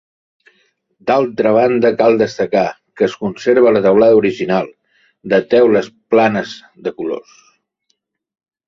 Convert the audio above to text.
D'altra banda, cal destacar que es conserva la teulada original, de teules planes de colors.